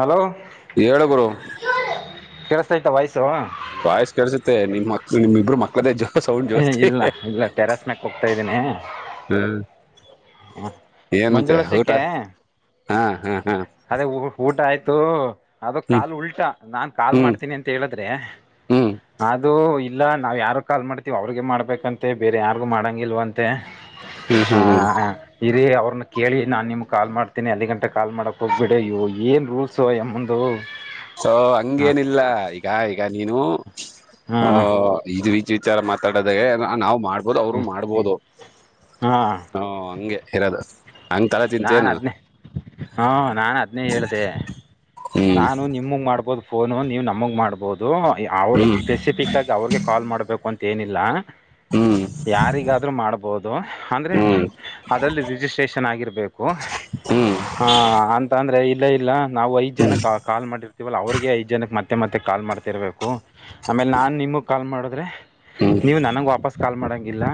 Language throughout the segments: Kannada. ಹಲೋ ಹೇಳು ಗುರು ಕೇಳಸ್ತ ಇ್ತ ವಾಯ್ಸು ಬಾಯ್ಸ್ ಕಡಸೆ ನಿಮ ಮಕ್ ನಿಮ ಇಬ್ರು ಮಕ್ಳದೇ ಜೋಸ್ ಅವಂಡ್ ಜೋಸ್ತಿ ಇಲ್ಲ ಇಲ್ಲ ಟೆರಸ್ ಮ್ಯಾಕ್ ಹೋಗ್ತಾ ಇದ್ದೀನಿ ಹ್ಮ್ ಏನಂತೆ ಮಂಜುಳ ಊಟ ಸಿಕ್ಕೆ ಹಾ ಹಾ ಹಾ ಅದೇ ಊಟ ಆಯ್ತು ಅದು ಹ್ಮ್ ಕಾಲ್ ಉಲ್ಟಾ ನಾನ್ ಕಾಲ್ ಹ್ಮ್ ಮಾಡ್ತೀನಿ ಅಂತ ಹೇಳಿದ್ರೆ ಹ್ಮ್ ಅದು ಇಲ್ಲ ನಾವ್ ಯಾರ ಕಾಲ್ ಮಾಡ್ತೀವಿ ಅವ್ರಿಗೆ ಮಾಡ್ಬೇಕಂತೆ ಬೇರೆ ಯಾರಿಗು ಮಾಡಂಗ ಇಲ್ವಂತ ಹ್ಮ್ ಹ್ಮ್ ಹ್ಮ್ ಮತ್ತು ಇರಿೀ ಅವ್ರನ್ನ ಕೇಳಿ ನಾನ್ ನಿಮ್ಗೆ ಕಾಲ್ ಮಾಡ್ತೀನಿ ಅಲ್ಲಿ ಗಂಟೆ ಕಾಲ್ ಮಾಡಕ್ ಹೋಗ್ಬಿಡಿ ಇ ಏನ್ ರೂಲ್ಸ್ು ಎ ಮುಂದು ಹ ಸೊ ಹಂಗೇನಿಲ್ಲ ಈಗ ಈಗ ನೀನು ಆ ಹಾಂ ಇದು ವಿಚಾರ ಮಾತಾಡೋದಾಗ ನಾವು ಮಾಡ್ಬೋದು ಅವರು ಹ್ಞೂ ಮಾಡ್ಬೋದು ಹಾಂ ಹಾ ಹಂಗೆ ಇರೋದು ಹಂಗ್ ತಲೆ ನಾನು ತಿಂತೇನು ಹದನೇ ಹಾ ನಾನು ಹದ್ನೇ ಹೇಳಿದೆೆ ಹ್ಮ್ ನಾನು ನಿಮ್ಮಗೆ ಮಾಡ್ಬೋದು ಫೋನು ನೀವು ನಮಗೆ ಮಾಡ್ಬಹುದು ಅವ್ರ ಹ್ಮ್ ಸ್ಪೆಸಿಫಿಕ್ ಾಗಿ ಅವ್ರಿಗೆ ಕಾಲ್ ಮಾಡ್ಬೇಕು ಅಂತ ಏನಿಲ್ಲ ಹ್ಮ್ ಯಾರಿಗಾದ್ರೂ ಮಾಡ್ ಬಹದು ಅಂದ್ರೆ ಹ್ಮ್ ಅದರಲ್ಲಿ ರಿಜಿಸ್ಟ್ರೇಷನ್ ಆಗಿರಬೇಕು ಹ್ಮ್ ಹ ಅಂತ ಅಂದ್ರೆ ಇಲ್ಲ ಇಲ್ಲ ನಾವು ಐ್ ಜನಕ್ ಕಾಲ್ ಮಾಡಿರ್ತಿೀವಲ್ಲ ಅವ್ರಿಗೆ ಐದ್ ಜನಕ್ ಮತ್ತ ಮತ್ತೆ ಮತ್ತೆ ಕಾಲ್ ಮಾಡ್ತಿರ್ಬೇಕು ಆಮೇಲೆ ನಾನ್ ನಿಮಗ್ ಕಾಲ್ ಮಾಡಿದ್ರೆ ಹ್ಮ್ ನೀವು ನನಗೆ ವಾಪಸ್ ಕಾಲ್ ಮಾಡಂಗಿಲ್ಲ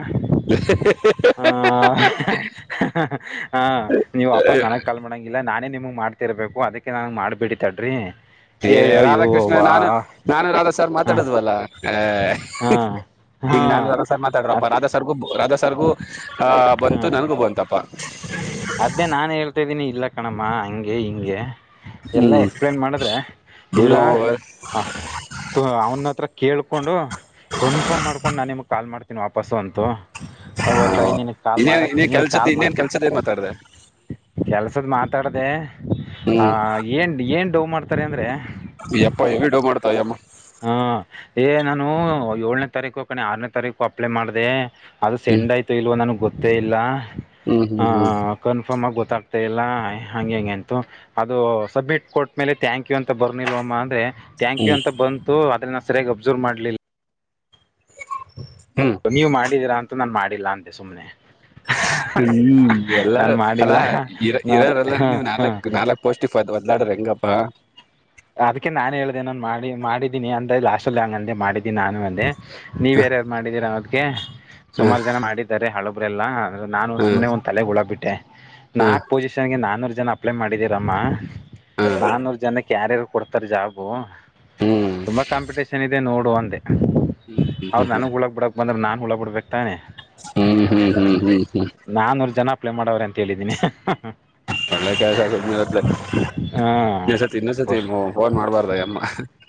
ಹ ಹ ಹಾ ನೀವ್ ವಾಪಸ್ ನನಗ್ ಕಲ್ ಮಾಡಂಗಿಲ್ಲ ನಾನೇ ನಿಮಗ್ ಮಾಡ್ತಿರ್ಬೇಕು ಅದಕ್ಕೆ ನನ್ಗ್ ಮಾಡ್ಬೇಡಿಿತಡ್ರಿ ಏ ರಾಧಾಕೃಷ್ಣ ನಾನು ನಾನು ರಾಧಾ ಸರ್ ಹ ಮಾತಾಡದ್ವಲ್ಲ ಹ ಹಾ ಹಾ ಈಗ ನಾನು ರಧಾ ಸರ್ ಮಾತಾಡ್ರಪ್ಪಾ ರಾ ಸರ್ಗು ರಾ ಸರ್ಗು ಆಹ ಬಂತು ನನಗೂ ಬಂತಪ್ಪಾ ಛ ಅದೇ ನಾನ ಹೇಳ್ತಾ ಇದ್ದೀನಿ ಇಲ್ಲ ಕಣಮ್ಮ ಹಂಗೆ ಹಿಂಗೆ ಎಲ್ಲ ಹ್ಮ್ ಎಕ್ಸ್ಪ್ಲೇನ್ ಮಾಡಿದ್ರೆ ಇಲ್ಲ ಬಿಡು ಹ ತ್ ಅವ್ನತ್ರ ಕೇಳ್ಕೊಂಡು ಕನ್ಫರ್ಮ್ ಮಾಡ್ಕೊಂಡು ನಾನು ನಿಮಗೆ ಕಾಲ್ ಮಾಡ್ತೀನಿ ವಾಪಸ್ಸು ಅಂತೂ ಅವ ತಾಯಿ ನಿನ ಕಾಲ್ ಮಾಡ ನೀನ್ ಕಾಲ್ ಮಾ ಕೆಲ್ಸದೇನ್ ಮಾತಾಡ್ದೆ. ಕೆಲ್ಸದ್ ಮಾತಾಡ್ದೆ ಆ ಹ್ಮ್ ಏನ್ ಏನ್ ಡವ್ ಮಾಡ್ತಾರೆ ಅಂದ್ರೆ ಅಪ್ಪ ಹೆವಿ ಡವ್ ಮಾಡುತ್ತ್ ಆ ಯಮ್ಮ. ಹಾ ಏ ನಾನು ಏಳನೇ ತಾರೀಕು ಕಣೆ ಆರನೇ ತಾರೀಕು ಅಪ್ಲೈ ಮಾಡ್ದೆ. ಅದು ಸೆಂಡಾಯ್ತೋ ಇಲ್ಲೋ ನನ್ಗ್ ಗೊತ್ತೇ ಇಲ್ಲ ಹಾ ಹ್ಮ್ ಹಾ ಹ್ಮ್ ಹ ಕನ್ಫರ್ಮಾಗ್ ಗೊತ್ತಾಗ್ತಾ ಇಲ್ಲ ಹಂಗೆ ಹಿಂಗೆ ಅಂತು. ಅದು ಸಬ್ಮಿಟ್ ಕೊಟ್ಟ್ಮೇಲೆ ಥ್ಯಾಂಕ್ ಯು ಅಂತ ಬರ್ನಿಲ್ವಮ್ಮ ಅಂದ್ರೆ ಥಾಂಕ್ ಯು ಹ್ಮ್ ಅಂತ ಬಂತು ಆದ್ರೆ ನಾ ಸರ್ಯಾಗಿ ಅಬ್ಸರ್ವ್ ಮಾಡ್ಲಿಲ್ ಹ್ಮ ನೀವ್ ಮಾಡಿದೀರಾ ಅಂತು ನಾನ್ ಮಾಡಿಲ್ಲಾ ಅಂದೆ ಸುಮ್ನೆ. ಹ್ಮ್ ಎಲ್ಲಾರೂ ಮಾಡಿಲ್ಲ ಅಲ್ಲಾ ಇರ ಇರ ನಾನು ಎಲ್ಲಾರು ಹಾಂ ನೀವು ಹಾಂ ನಾಲಕ್ಕ್ ನಾಲ [unintelligible] ಹೋದ್ಲಾಡುದ್ರ್ ಹೆಂಗಪ್ಪ ಅದ್ಕೆ ನಾನ್ ಹೇಳ್ದೇ ನನ್ ಮಾಡಿ ಮಾಡಿದ್ದೀನಿ ಅಂತ ಲಾಸ್ಟಲ್ ಹಂಗಂದೆ ಮಾಡಿದ್ದೀನಿ ನಾನು ಅಂದೆ ಹ, ನೀವ್ ಯಾರೆ ಮಾಡಿದೀರ ಅವದ್ಕೆ ಹ, ಸುಮಾರು ಜನ ಮಾಡಿದ್ದಾರೆ ಹಳಬ್ರೆಲ್ಲಾ ಅಂದ್ರೆ ನಾನು ಹ, ಸುಮ್ನೆ ಒನ್ ತಲೆಗ್ ಹುಳಬಿಟ್ಟೆ ಹ, ನಾಕ್ ಪೊಸಿಷನ್ಗೆ ನಾನೂರ್ ಜನ ಅಪ್ಲೈ ಮಾಡಿದೀರಮ್ಮ ನಾನೂರು ಜನಕ್ಕ್ ಯಾರ್ಯಾರಿಗ್ ಕೊಡ್ತಾರೆ ಜಾಬು ಹ್ಮ್ ತುಂಬಾ ಕಾಂಪಿಟೇಷನ್ ಇದೆ ನೋಡು ಅಂದೆ ಹ್ಮ್ ಅವರು ನನಗ್ ಹುಳ ಬಿಡಕ್ ಬಂದ್ರೆ ನಾನ್ ಹುಳ ಬಿಡ್ಬೇಕ್ ತಾನೆ. ಹ್ಮ್ ಹ್ಮ್ ಹ್ಮ್ ಹ್ಮ್ ಹ್ಮ್ ನಾನೂರ್ ಜನ ಅಪ್ಲೈ ಮಾಡವ್ರೆ ಅಂತ ಹೇಳಿದೀನಿ ಅಹ್ ಹ್ಮ್ ಒಳ್ಳೆ ಕೆಲ್ಸ ಸುಮ್ನಿರ್ ಅತ್ಲಗ್ ಹಾಂ ಇನ್ನ ಸತಿ ಇನ್ನೊಸತಿ ಫೋನ್ ಮಾಡ್ಬಾರ್ದ್ ಆ ಯಮ್ಮ.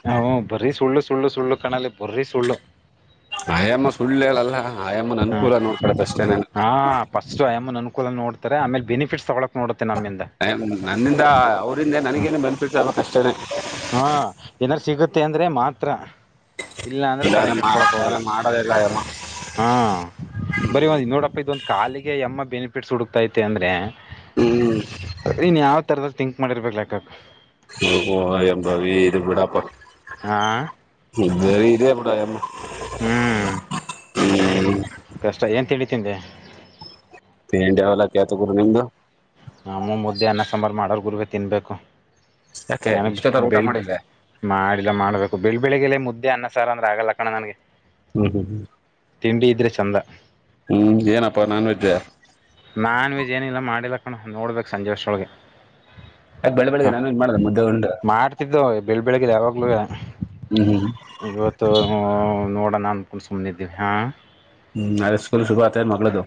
ಹಾ ಬರೀ ಸುಳ್ಳು ಸುಳ್ಳು ಸುಳ್ಳು ಕಣಲೆ ಬರೀ ಸುಳ್ಳು. ಆಯಮ್ಮ ಸುಳ್ ಹೇಳಲ್ಲ ಆಯಮ್ಮನ್ ಹಾ ಅನ್ಕೂಲ ನೋಡ್ಕಳತ್ ಅಷ್ಟೇನೆನೆ. ಹಾ ಫಸ್ಟ್ ಆ ಯಮ್ಮನ್ ಅನುಕೂಲ ನೋಡ್ತಾರೆ ಆಮೇಲ್ ಬೆನಿಫಿಟ್ಸ್ ತಗೊಳಕ್ ನೋಡುತ್ತೆ ನಮ್ಮಿಂದ. ನನ್ನಿಂದ ಅವ್ರಂದೆ ಹ್ಮ್ ನನಗೇನು ಬೆನಿಫಿಟ್ಸ್ ಆಬಕ್ ಅಷ್ಟೇನೆ. ಹಾ ಏನಾರ್ ಸಿಗುತ್ತೆ ಅಂದ್ರೆ ಮಾತ್ರ. ಇಲ್ಲ ಅಂದ್ರೆ ತಲೆ ಇಲ್ಲಾಂದ್ರೆ ಕೆಡಸ್ಕೊಳಕ್ ಹೋಗಲ್ಲ ಇಲ್ಲಾಂದ್ರೆ ಮಾಡೋದಿಲ್ಲ ಆಯಮ್ಮ ಹಾ ಬರಿ ಒಂದು ನೋಡಪ್ಪ ಇದೊಂದ್ ಕಾಲಿಗೆ ಈ ಯಮ್ಮ ಬೆನಿಫಿಟ್ಸ್ ಹುಡುಕ್ತೈತೆ ಅಂದ್ರೆ ಹ್ಮ್ ಇನ್ ಯಾವ ತರದಲ್ ತಿಂಕ್ ಮಾಡಿರ್ಬೇಕು ಲೆಕ್ಕ ಹಾಕು. ಏಯ್ ಹೊ ಯ ಬರೀ ಇದು ಬಿಡಪ್ಪ. ಹಾ ಇದ್ ಬರೀ ಇದೆ ಬಿಡ್ ಆ ಯಮ್ಮ. ಹ್ಮ್ ಕಷ್ಟ ಏನ್ ತಿಂಡಿ ತಿಂದೆ. ತಿಂಡ ಯಾವೆಲ್ಲ ಕೇಳ್ತ ಗುರು ನಿಮ್ದು ನಮ್ಮೂ ಮುದ್ದೆ ಅನ್ನ ಸಾಂಬಾರು ಮಾಡೋರ್ ಗುರುವೆ ತಿನ್ಬೇಕು ಯಾಕೆ ನಾನು ಇಷ್ಟೊತ್ತಾಗ ಊಟ ಬೆಳ್ ಬೆ ಮಾಡಿಲ್ವೆ ಮಾಡಿಲ್ಲ ಮಾಡ್ಬೇಕು ಬೆಳ ಬೆಳಿಗ್ಗೆಲ್ಲೇ ಮುದ್ದೆ ಅನ್ನ ಸಾರ್ ಅಂದ್ರೆ ಆಗಲ್ಲ ಕಣ ನನ್ಗೆ ಹ್ಮ್ ಹ್ ಹ್ ತಿಂಡಿ ಇದ್ರೆ ಚಂದ. ಹ್ಮ್ ಏನಪ್ಪಾ ನಾನ್ವೆಜ್ಜ. ನಾನ್ವೆಜ್ ಏನಿಲ್ಲ ಮಾಡಿಲ್ಲ ಕಣೋ ನೋಡ್ಬೇಕು ಸಂಜೆ ಅಷ್ಟ್ರೋಳಗೆ. ಅದ್ ಬೆಳ ಬೆಳಗ್ಗೆ ನಾನನ್ ಮಾಡದ್ದು ದ್ದು ಬೆಳಿ ಬೆಳಗ್ಗೆ ಯಾವಾಗ್ಲೂ ಹ್ಮ್ ಹ್ಮ್ ಇವತ್ತು ನೋಡೋಣ ಅನ್ಕೊಂಡ ಸುಮ್ಮನಿದ್ದೀವಿ ಹಾಂ ಹ್ಮ್ ಅದೇ ಸ್ಕೂಲ್ ಶುರು ಆತ ಮಗಳದು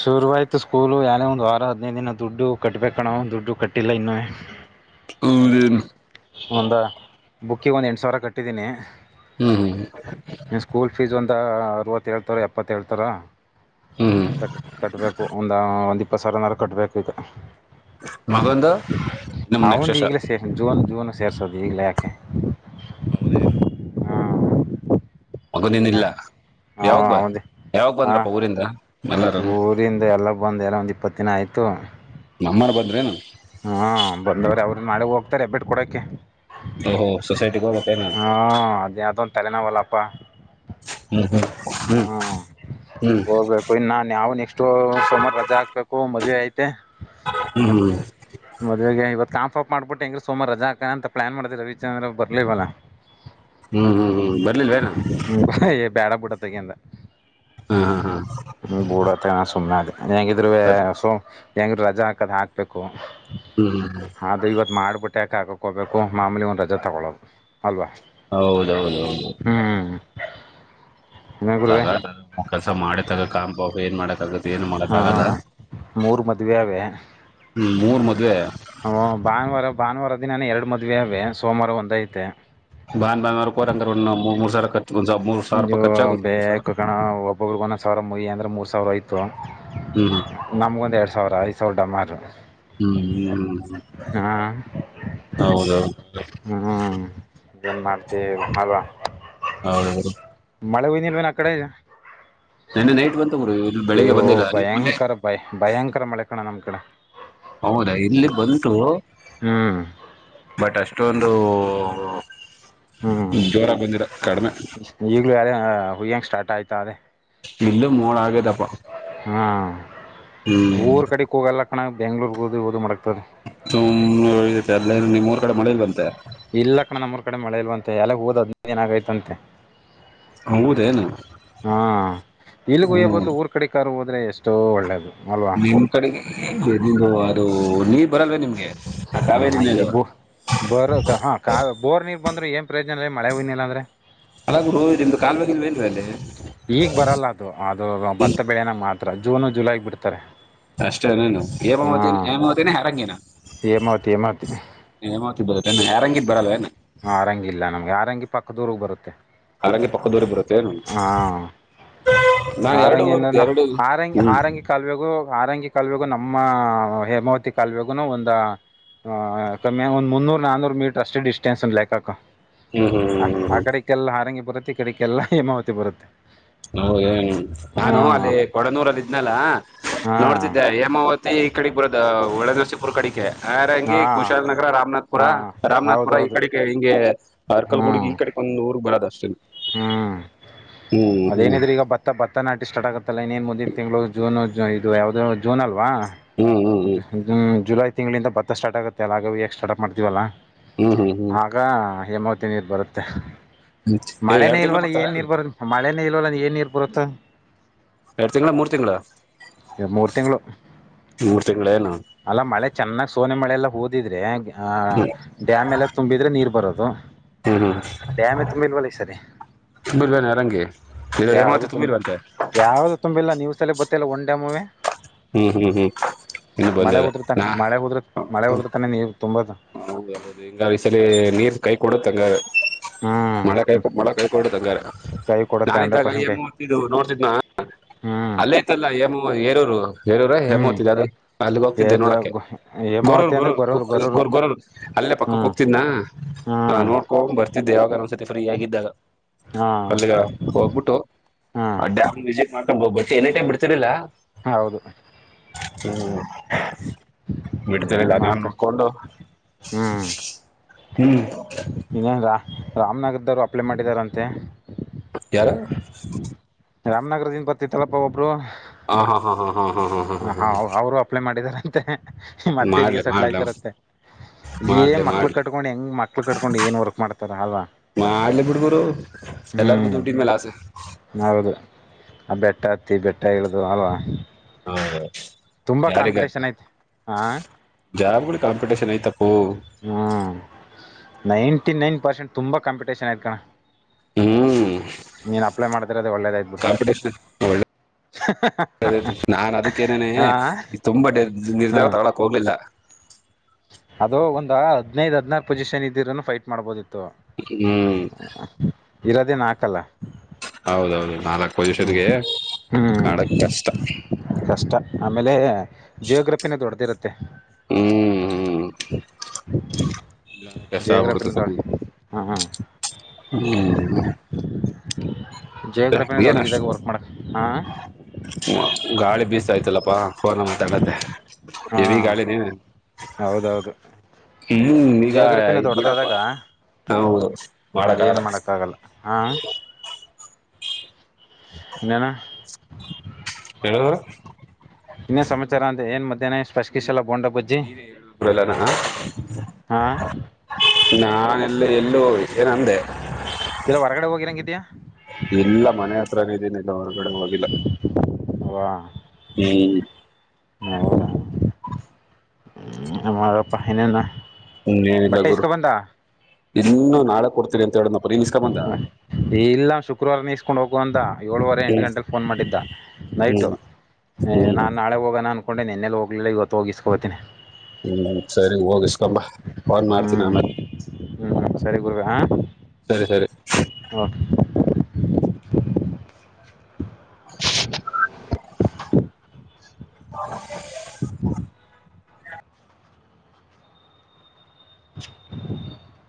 ಶುರುವಾಯ್ತು ಸ್ಕೂಲು ಯನೇ ಒಂದಂದು ವಾರ ಹದಿನೈದು ದಿನ ದುಡ್ಡು ಕಟ್ಬೇಕಣ ಒ ದುಡ್ಡು ಕಟ್ಟಿಲ್ಲ ಇನ್ನು [inaudible] ಹದ ಒಂದ ಬುಕ್ಕಿಗೆ ಒಂದು ಎಂಟು ಸಾವಿರ ಕಟ್ಟಿದ್ದೀನಿ ಹ್ಮ್ ಹ್ಮ್ ನೀನು ಸ್ಕೂಲ್ ಫೀಸ್ ಒಂದು ಅರರುವತ್ತೇಳಳ್ತಾರ ಎಪ್ಪತ್ತೇಳೇಳ್ತಾರ ಹ್ಮ್ ಕಟ್ ಕಟ್ಬೇಕು ಒಂದ ಒಂದ್ ಇಪ್ಪತ್ ಸಾವಿರನಾರ ಕಟ್ಬೇಕು ಈಗ ಮಗಂದು ನಮ್ ನೆಕ್ಸ್ಟ್ ಅವಂದ ವರ್ಷ ಈಗ್ಲೇ ಸೇರ್ ಜೂನ್ ಜೂನ್ ಸೇರ್ಸೋದು ಈಗ್ಲೇ ಯಾಕೆ ಹೌದೇನು ಹಾಂ ಮಗೋ ನೀನ್ ಸುಮ್ಮನೆ ಇಲ್ಲ ಯಾವಾಗ ಹಾಂ ಬ ಅವಂದು ಯಾವಾಗ ಹಾಂ ಬಂದ್ರಪ್ಪ ಊರಿಂದ ಎಲ್ಲಾರ ಊರಿಂದ ಎಲ್ಲ ಬಂದ ಎಲ್ಲ ಒಂದ್ ಇಪ್ಪತ್ತ ದಿನ ಆಯ್ತು ನಮ್ಮಾರ್ ಬಂದ್ರೇನು ಹಾ ಬಂದವ್ರ ಅವ್ರು ನಾಳಗ್ ಹೋಗ್ತಾರೆ ಬಿಟ್ಟ ಕೊಡಕ್ಕೆೆ ಓಹೋ ಸೊಸೈಟಿಗೆ ಹೋಗ್ಬೇಕೇನ ಹ್ಮ ಅದದ ತಲೆನವಳಪ್ಪ ಹ್ಮ್ ಹ್ಞ ಹ್ಮ್ ಹ್ಮ್ ಹೋಗ್ಬೇಕು ಇನ್ನಾನ್ ನಾವವು ನೆಕ್ಸ್ಟ್ ಸೋಮಾರು ರಜಾ ಹಾಕ್ಬೇಕು ಮದ್ವೆ ಐತೆ ಹ್ಮ್ ಮದ್ ಗೆ ಇವತ್ ಕಾಂಫಾಪ್ ಮಾಡ್ಬಿಟ್ಟು ಹೆಂಗೀ ಸೋಮಾರ ರಜಾಕ ಅಂತ ಪ್ಲಾನ್ ಮಾಡಿ ರವಿಚಂದ್ರ ಬರ್ಲಿವಲ್ಲ ಹ್ಮ್ ಹ್ಮ್ ಹ್ಮ್ ಬರ್ಲಿಲ್ವೇನ ಬೇಡ ಬುಡ ತಗಿಂದ ಹ್ಮ ಹ್ಮ ಹ್ಮ ಹ್ಮ ಬೂಡತ್ತ ಸುಮ್ಮನೆ ಅ ಹೆಂಗಿದ್ರ ಸೊ ಹೆಂಗ್ರ ರಜಾ ಹಾಕದ್ ಹಾಕ್ಬೇಕು ಹ್ಮ್ ಆದೆ ಇವತ್ ಮಾಡ್ಬಿಟ್ಟು ಯಾಕೆ ಹಕಕ್ ಹಬೇಕು ಮಾಮೂಲಿ ಒಂದ್ ರಜೆ ತಗೊಳೋದು ಅಲ್ವಾ ಹೌದೌದ ಹೌದು ಹ್ಮ್ ಗ ಕೆಲ್ಸ ಮಾಡ ತಾಗ ಕಾಂಬಾ ಏನ್ ಮಾಡಕ್ಗ ಹ್ಮ ಮೂರ್ ಮದ್ುವವೆ ಅವೆ ಹ್ಮ್ ಮೂರ್ ಮದ್ ವವೆ ಹ ಭಾನುವಾರ ಭಾನುವಾರ ದಿನಾನ ಎರಡು ಮದುವೆ ಅವೆ ಸೋಮವಾರ ಒಂದ ಐತೆ ಬಾ ಬ ರೂಪಿ ಅಂಗರ್ ಒ ಮೂರು ಸಾವರಖರ್ುಂದ ಮೂ ಸಿರ ಇದು ರೂಾಯಿಖರ್ಚಾಗುತ್ತೆ ಮೂರ್ ಸಾವರ ಬೇಕು ಕಣ ಒಬೊಬ್ರಗ ಒಂದೊಂದು ಸಾವಿರ ಅಂದರೆೆ ಮೂರು ಸಾವಿರ ಆಯಿತು ಹ್ಮ್ ಹ್ಮ ನಮ್ಗೊಂದ್ ಎರಡ್ ಸಾವಿರ ಐದು ಸಾವಿರ ಡಮಾರ ಹ್ಮ್ ಹ್ಮ್ ಹೌದೌ ಹ್ಮ್ ಏನ್ ಮಾಡ್ತೀವಿ ಹಲ್ವಾ ಹೌದೌದು ಮಳೆ ಹನ್ ಇಲ್ವೇನ್ ಆ ಕಡೆ ನನ್ನೆ ನೈಟ್ ಬಂತವರು ಇ ಬೆಳಗ್ ಬಂದಿಲ್ಲ ನಿೆ ಬಾಯ್ ಭಯಂಕರ ಮಳೆ ಕಣ ನಮ್ಮ ಕಡೆ ಹೌದಾ ಇಲ್ಲಿ ಬಂತು ಹ್ಮ್ ಬಟ್ ಅಷ್ಟೊಂದು ಹ್ಞೂ ಜೋರಾಗಿ ಬಂದಿರ ಕಡಿಮೆ ಈಗಲೂ ಅದ ಹುಯ್ಯಂಗೆ ಸ್ಟಾರ್ಟ್ ಆಯತ ಅದೇ ಇಲ್ಲ ಮೋಡ ಆಗದಪ್ಪ ಹಾ ಹ್ಮ್ ಊರ್ ಕಡೆಗೆ ಹೋಗಲ್ಲ ಕಣ ಬೆಂಗಳೂರು ಹೊದಿ ಓದು ಮಾಡಕ್ತದೆ ಸುಮ್ ಅಲ್ಲ ನಿಮ್ಮ ಊರ್ ಕಡೆ ಮಳೆ ಇಲ್ಲ ಅಂತೆ ಇಲ್ಲ ಕಣ ನಮ್ಮ್ರ ಕಡೆ ಮಳೆ ಇಲ್ವಂತೆ ಎಲ್ಲ ಹೋದ ಅದ್ ಏನಾಗೈತಂತೆ ಹೌದೇನು ಹಾ ಇಲ್ಲಿಗಯ ಹ್ಮ್ ಬದಲು ಊರ ಅ ಕಡೆ ಕಾರ್ ಹೋದ್ರೆ ಎಷ್ಟೋ ಒಳ್ಳೇದು ಅಲ್ವಾ ನಮ್ ಕಡೆಗೆ ಅದು ನೀರ್ ಬರಲ್ವ ನಿಮ್ಗೆ ಆ ಕಾವೇರಿ ಹ್ಮ ಈ ನೀರು ಬೋ ಬೋರ್ ಹ ಕ ಬೋರ್ ನೀರ್ ಬಂದ್ರೆ ಏನ್ ಪ್ರಯೋಜನ ಇ ಮಳೆ ಬಂದಿಲ್ಲ ಅಂದ್ರೆ ಅಲ ಗುರು ಇದರದ ಕಾಲುವವಾಗಿಲ್ ವೇನ್ ಅಲ್ಲಿ ಈಗ್ ಬರಲ್ಲ ಅದು ಅದು ಭತ್ತ ಬೆಳೆನ ಮಾತ್ರ ಜೂನ ಜುಲೈ ಬಿಡ್ತಾರೆ. ಅಷ್ಟೇ ನನು ಏನ ಓದತೇನಿ ಹಾಂ ಏನ ಓದತಿನ ಹರಂಗಿನ ಹೇಮಾವತಿ ಹೇಮಾವತಿ ನೀ ಏನ ಓದತಿ ಯಾರಂಗಿದ್ದ ಬರಲ್ಲೇನ ಆರಂಗಿ ಇಲ್ಲ ನಮಗೆ ಆರಂಗಿ ಪಕ್ಕದೂರಗೆ ಬರುತ್ತೆ. ಹಾಗಾಗಿ ಪಕ್ಕದೂರ ಬರುತ್ತೆ ಏನೂ ಆರಂಗಿ ಇಂದನು ಎರಡು ಆರಂಗಿ ಹ್ಮ್ ಹಾರಂಗಿ ಕಾಲುವೆಗು ಆರಂಗಿ ಕಾಲುವೆಗು ನಮ್ಮ ಹೇಮಾವತಿ ಕಾಲುವೆಗುನು ಒಂದ ಹಾ ಕಮ್ಮಿಯ ಒಂದ ಮುನ್ನೂರು ನಾನೂರು ಮೀಟರ್ ಅಷ್ಟೇ ಡಿಸ್ಟೆನ್ಸ್ ಲೆಕ್ಕಕ್ಕ ಹ್ಮ್ ಹ್ಮ ಆಕಡೆಕ್ಕೆಲ್ಲ ಹಾರಂಗಿ ಬರುತ್ತೆ ಈ ಕಡೆಕ್ಕೆಲ್ಲಾ ಹೇಮಾವತಿ ಬರುತ್ತೆ. ಹೌ ನಾನು ಅಲ್ಲಿ ಹಾಂ ಕೊಡನೂರಲ್ಲ ಇದ್ನಲ್ಲಾ ಹಾಂ ನೋಡ್ತಿದ್ದೆ ಹೇಮ ಅವತ್ ಮ ಈ ಕಡೆ ಬರದ ಒಳ್ಳೆ ದಿವಸಿ ಪುರ್ ಕಡೆಕೆ ಹಾರಂಗಿ ಹಾಂ ಕುಶಾಲ ನಗರ ರಾಮನಾಥ್ಪುರ ಹಾಂ ರಾಮನಾಥ್ಪುರ ಈ ಹೌದೌದು ಕಡೆಗೆ ಹಿಂಗೆ ಅರ್ಕಲ್ ಹ್ಞೂ ಗುಡ್ಗಿ ಈ ಕಡೆ ಒಂದ್ ಊರಗ ಬರದ ಅಷ್ಟೇ ಹ್ಞೂ ಹ್ಮ್ ಹ್ಮ್ ಅದೇನಿದ್ರೆ ಈಗ ಭತ್ತ ಭತ್ತ ನಾಟಿ ಸ್ಟಾರ್ಟ್ಗುತ್ತಲ್ಲ ಇನ್ನೇನ್ ಮುಂದಿನ ತಿಂಗಳು ಜೂನ್ ಇದು ಯಾವದೋ ಜೂನ್ ಅಲ್ವಾ ಹ್ಮ್ ಹ್ಮ್ ಹ್ಮ್ ಹ್ಮ್ ಜುಲೈ ತಿಂಗಳಿಂದ ಭತ್ತ ಸ್ಟಾರ್ಟ್ ಆಗುತ್ತೆ ಅಲ್ಲಗ ಯಾಕ ಸಾರ್ಟ್ಪ್ ಮಾಡತೀವಲ್ಲ. ಹ್ಮ್ ಹ್ಮ್ ಹ್ಮ್ ಆಗ ಹೇಮಾವತಿ ನೀರು ಬರುತ್ತೆ. ಏ ಮಳೆನೇ ಎರಡ್ ತಿಂಗಳು ಇಲ್ವಲ್ಲ ಬಿಡ್ತಾರ ಏನ್ ನೀರ್ ಬರು ಮಳೆನೇ ಇಲ್ವಲ್ಲ ಏನ್ ನೀರ್ ಬರುತ್ತೆ. ಎರಡು ತಿಂಗಳ ಮೂರ್ ತಿಂಗಳ ಮೂರ್ ಮೂರ್ ತಿಂಗಳ ಏನು ಅಲ್ಲಾ ಮಳೆ ಚೆನ್ನಾಗ್ ಸೋನೆ ಮಳೆಲ್ಲಾ ಹೋದಿದ್ರೆ ಹ ಡ್ಯಾಮ್ ಎಲ್ಲ ತುಂಬಿದ್ರೆ ನೀರ್ ಬರೋದು ಡ್ಯಾಮ್ ತುಂಬಿಲ್ವಲ ಇ ಸರಿ ತುಂಬಿರ್ವೇನೆ ಅರಂಗಿ ಇ ಹೇಮಾವತಿ ತುಂಬಿರ್ರುವಂತೆ ತುಂಬಿಲ್ಲಾ ನ್ಯೂಸ್ ಲ್ಲಿ ಬತ್ತಿಲ್ಲ ಒನ್ ಡ್ಯಾಮ್ ಮೂವೆ ಹ್ಮ್ ಹ್ಮ್ ಹ್ಮ್ ಇನ್ನು ಮಳೆ ಬಂದಿಲ್ಲ ಉದರ್ತಾನೆ ನಾ ಮಳೆ ಉದ್ರ ಮಳೆ ಉದ್ರತಾನೆ ನೀವು ತುಂಬದ ಹೌದ ಹೌದು ಹಿಂಗ ಈ ಸರಿ ನೀರ್ ಕೈ ಕೊಡತ್ ಹಂಗ ಹ್ಮ್ ಮಳೆ ಬೇಕ ಮಳೆ ಬೇಕ ನೋಡ ಹಂಗರ್ ಕೈ ಕೊಡುತ್ತೆ ಹಂಡ್ರೆಡ್ ನಾನಿದ್ದಾಗ ಪರ್ಸೆಂಟ್ ನೀರ್ ಕೈ ಮೂ ಇದು ನೋಡ್ತಿದ್ನಾ ಹ್ಮ್ ಅಲ್ಲೇ ಐತಲ್ಲ ಹೇಮ ಹೇರೂರು ಹೇರೂರ ಹ್ಮ್ ಹೆೇಮತ್ ಇದಾರ ಅಲ್ಲಿಗೆ ಏ ಹೋಗ್ತಿದ್ದೆ ಗೊ ನೋಡಕ್ಕೆ ಗೊ- ಗೊರೂರ್ ಹೇಮಾವತಿ ಅಂದ್ರೆ ಗೊರೂರ್ ಗೊರೂರು ಗ ಗೊರೂರು ಗೋರ್ ಗೊರು ಅಲ್ಲೇ ಪಕ್ಕಕ್ಕೆ ಹ್ಮ್ ಹೋಗ್ತಿದ್ನ ಹ್ಮ್ ನೋಡ್ ಹೋಗ್ ಬರ್ತಿದ್ದೆ ಯಾಗ ಒ ಸತಿ ಫ್ರೀ ಆಗಿದ್ದಾಗ ಹಾ ಅಲ್ಲಿಗ ಹೋಗ್ಬಿಟ್ಟು ಹ್ಮ್ ಆ ಡ್ಯಾಮಜ ಮಾಡ್ಕ್ ಹೋಗ್ ಏನ ಟಮ್ ಬಿಡ್ತಿರ್ಲಿಲ್ಲ ಹೌದು ಹ್ಮ ಬಿಟ್ಟತ ಜ ಏನೇನ್ ನನ್ ಮಾಡ್ತಾರೆ ನೋಕ್ಕೊಂಡು ಹ್ಮ್ ಹ್ಮ್ ಇನ್ನೇನ್ ರಾ ರಾಮನಗರದವ್ರು ಅಪ್ಲೈ ಮಾಡಿದಾರಂತೆ ಯಾರ ರಾಮನಗರದಿನ ಪತ್ತಿ ತಲಪ ಅಬ್ ಹಾ ಹಾ ಹಾ ಹಾ ಹಾ ಹಾ ಹಾ ಹ ಹಾ ಅವ್ರು ಅಪ್ಲೈ ಮಾಡಿದಾರಂತೆ ಮತ್ತೆ ಇಲ್ಲಿಗೆ ಮಾಡ್ಲೆ ಸೆಟ್ಲ್ ಮಾಡ್ಲೆ ಆಯ್ತಾರಂತೆ ಏ ಮಾಡ್ಲೆ ಮಕ್ಳ ಮಾಡ್ಲೆ ಕಟ್ಕೊಂಡ್ ಹೆಂಗ್ ಮಕ್ಳ ಕಟ್ಕೊಂಡು ಏನ್ ವರ್ಕ್ ಮಾಡ್ತಾರ ಅಲ್ವಾ ಮಾಡಲಿ ಬಿಡ್ಗರು ಎಲ್ಲಾರ್ಗೂ ದುಡ್ಡಿದ ಮೇಲೆ ಆಸೆ ನೌದು ಆ ಬೆಟ್ಟ ಹತ್ತಿ ಬೆಟ್ಟ ಇಳ್ದ ಅಲ್ವಾ ಹ ಹ ತುಂಬ ಕಾಂಪಿಟೇಷನ್ ಐತೆ ಹ ಜಾಬ್ಗಳು ಕಾಂಪಿಟೇಷನ್ ಐ್ತಪ್ಪು ಹ್ಮ್ ನೈಂಟಿ ನೈನ್ ಪರ್ಸೆಂಟ್ ತುಂಬಾ ಕಾಂಪಿಟೇಷನ್ ಆಯ್ತ ಕಣ ಹ್ಮ್ ನೀನ್ ಅಪ್ಲೈ ಮಾಡ್ತರ ಅದು ಒಳ್ಳೇದಾಯ್ತು ಬಿಡು ಕಾಂಪಿಟೇಷನ್ ಒಳ್ಳ ಅ ನಾನ್ ಅದಕ್ಕೇಏನನೆ ಹಾಂ ತುಂಬಾರ್ ಹ್ಞೂ ನಿರ್ಧಾರ ತಗೊಳ್ಳಕ್ ಹೋಗ್ಲಿಲ್ಲ ಅದು ಒಂದ್ ಹದ್ದು ಹದ್ನಾರಕು ಪೊಸಿಷನ್ ಇದ್ದಿರೂ ಫೈಟ್ ಮಾಡ್ಬೋದಿತ್ತು ಹ್ಮ್ ಇರೋದೇನು ಹಾಕಲ್ಲ ಹೌದೌದು ನಾಲ್ಕ್ ಪೊಸಿಷನ್ಗೆ ಮಾಡಕ್ ಹ್ಮ್ ಕಷ್ಟ ಕಷ್ಟ ಆಮೇಲೆ ಜಿಯೋಗ್ರಫಿನೇ ದೊಡ್ಡದಿರುತ್ತೆ ಹ್ಮ್ ಹ್ಮ್ ಕೆಸ ಜಿಯೋಗ್ರಫಿನೇ ದೊಡ್ಡ ಆಬಡದು ಹಾ ಹಾ ಹ್ಮ ಜಿಯೋಗ್ರಫಿನೇ ದೊಡಿದ್ದಾಗ ವರ್ಕ್ ಮಾಡೋ ಹಾಂ ಹ ಗಾಳಿ ಬೀಸ ಆಯ್ತಲ್ಲಪ್ಪಾ ಫೋನ ಮಾತಾಡತ್ತೆ ಹಾ ದವಿ ಗಾಳಿ ನೀವ ಹೌದೌದು ಹ್ಮ ಈಗ ಜಿಯೋಗ್ರಫಿನ ಬಿಡಪ್ಪ ದೊಡ್ಡದಾದಾಗ ಹೌದು ಅದೇನು ಮಾಡಕ್ಕಾಗಲ್ಲ ಹಾ ಎಾನ ಹೇಳ ಇನ್ನೇ ಸಮಾಚಾರ ಅಂದ್ರೆ ಏನ್ ಮಧ್ಯಾಹ್ನ ಸ್ಪರ್ಶಿಸಲ್ಲ ಬೋಂಡಾ ಬಜ್ಜಿ ಹಾ ನಾನೆಲ್ಲ ಎಲ್ಲೂ ಹೋಗಷ ನಂದೆ ಇಲ್ಲ ಹೊರಗಡೆ ಹೋಗಿರಂಗಿದ್ಯಾಾ ಇಲ್ಲ ಮನೆ ಹತ್ರನ ಇದೀನಿಲ್ಲ ಹೊರಗಡೆ ಹೋಗ ವಾಹ್ ಹ್ಮ್ ನ ಅಾರ ಪಹಿಿನ ನಾ ಹ್ಮ ಏನಿಲ್ಲ ಗುರು ಇನ್ನು ನಾಳೆ ಕೊಡ್ತೀನಿ ಅಂತ ಹೇಳ ಹ ಇಲ್ಲ ಶುಕ್ರವಾರನ ಕಕೊಂಡು ಹೋಗುವ ಅಂತ ಏಳುವರೆ ಎಂಟು ಹ್ಮ್ ಗಂಟೆಗೆ ಫೋನ್ ಮಾಡಿದ್ದ ನೈಟು ಹ್ಮ್ ಹ್ಮ್ ನಾನ ನಾಳೆ ಹೋಗೋಣ ಅನ್ಕೊಂಡೆ ನಿನ್ನೆ ಹೋಗಿಲಿಲ್ಲ ಇವತ್ತು ಹೋಗಿ ಇಸ್ಕಾಂಟೀನಿ ಹ್ಮ್ ಸರಿ ಹೋಗಿಸ್ಕೊಂಬ ಹ್ಮ್ ಹ್ಮ್ ಸರಿ ಗುಗ ಹ ಸರಿ ಸರಿ ಹಾ [inaudible] [inaudible]